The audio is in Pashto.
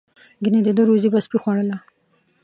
ګنې د ده روزي به سپي خوړله.